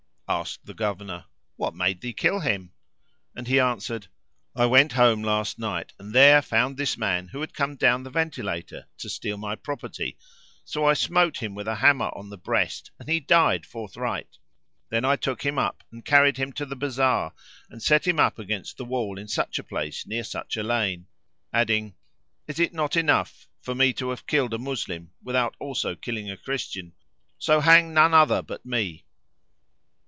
Asked the Governor, "What made thee kill him?"; and he answered, "I went home last night and there found this man who had come down the ventilator to steal my property; so I smote him with a hammer on the breast and he died forthright. Then I took him up and carried him to the bazar and set him up against the wall in such a place near such a lane;" adding, "Is it not enough for me to have killed a Moslem without also killing a Christian? So hang none other but me."